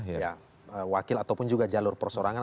ya wakil ataupun juga jalur persorangan